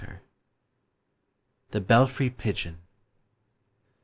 THE BELFRY PIGEON.